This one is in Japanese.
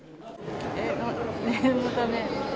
念のため。